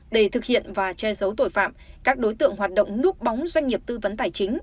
để thực hiện và che giấu tội phạm các đối tượng hoạt động núp bóng doanh nghiệp tư vấn tài chính